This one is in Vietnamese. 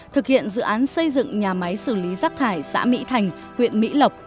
thực hiện dự án xây dựng nhà máy xử lý rác thải xã mỹ thành huyện mỹ lộc